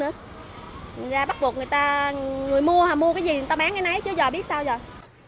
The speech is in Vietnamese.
nói ra bắt buộc người ta người mua hà mua cái gì người ta bán cái nấy chứ giờ biết sao rồi